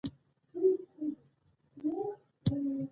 د قرضونو کتابچه راوباسه.